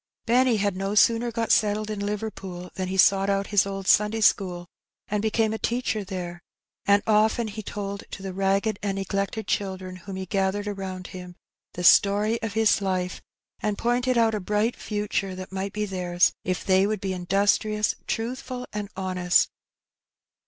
Benny had no sooner got settled in Liverpool than he sought out his old Sunday school, and became a teacher there ; and often he told to the ragged and neglected children whom he gathered around him the story of his life, and pointed out a bright future that might be theirs if they would be industrious, truthful, and honest.